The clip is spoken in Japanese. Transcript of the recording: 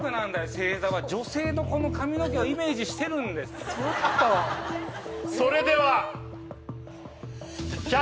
星座は女性のこの髪の毛をイメージしてるんですちょっとえっ！？